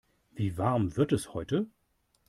Wie warm wird es heute?